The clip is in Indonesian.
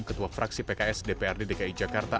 ketua fraksi pks dprd dki jakarta